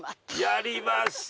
やりました！